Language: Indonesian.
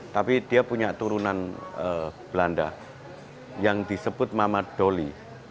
tapi dia punya turunan belanda yang disebut mamadoli